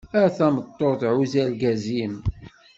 A tameṭṭut, ɛuzz argaz-im.